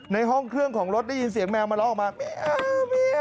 ในห้องเครื่องของรถได้ยินเสียงแมวมาร้องออกมา